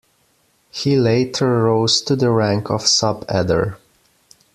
He later rose to the rank of Subedar.